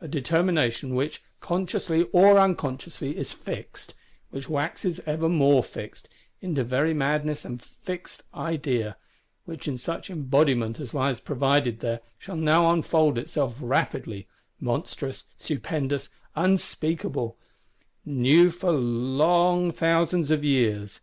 A determination, which, consciously or unconsciously, is fixed; which waxes ever more fixed, into very madness and fixed idea; which in such embodiment as lies provided there, shall now unfold itself rapidly: monstrous, stupendous, unspeakable; new for long thousands of years!